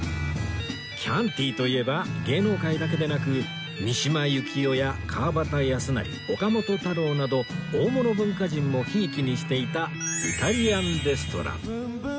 キャンティといえば芸能界だけでなく三島由紀夫や川端康成岡本太郎など大物文化人も贔屓にしていたイタリアンレストラン